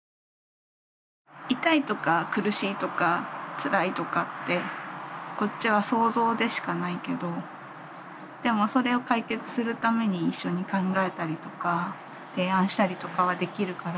痛いとか苦しいとかつらいとかってこっちは想像でしかないけどでもそれを解決するために一緒に考えたりとか提案したりとかはできるから。